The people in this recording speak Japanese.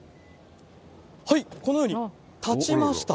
はい、このように立ちました。